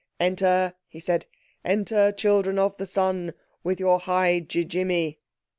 "Enter," he said, "enter, Children of the Sun, with your High Ji jimmy."